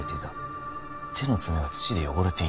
手の爪は土で汚れていた。